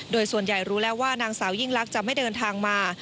โดยส่วนใหญ่รู้แล้วว่านางสาวยิ่งลักษณ์จะไม่เดินทางมา